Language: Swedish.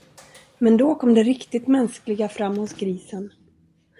Men då kom det riktigt mänskliga fram hos grisen.